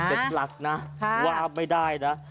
เจ็ดหลักนะวาร์บไม่ได้นะ